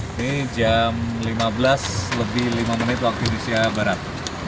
ini jam lima belas lebih lima menit waktu indonesia barat